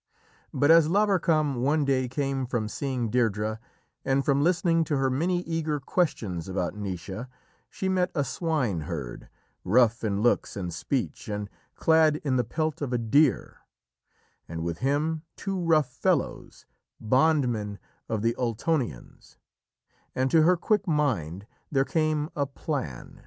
But as Lavarcam one day came from seeing Deirdrê, and from listening to her many eager questions about Naoise, she met a swineherd, rough in looks and speech, and clad in the pelt of a deer, and with him two rough fellows, bondmen of the Ultonians, and to her quick mind there came a plan.